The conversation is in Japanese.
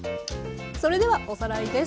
それではおさらいです。